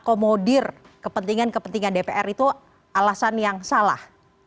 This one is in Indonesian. akomodir kepentingan kepentingan dpr itu alasan yang salah